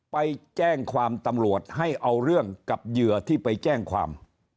ไปแจ้งความตำรวจให้เอาเรื่องกับเหยื่อที่ไปแจ้งความ